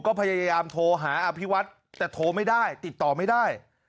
ก็พยายามโทรหาอภิวัฒน์แต่โทรไม่ได้ติดต่อไม่ได้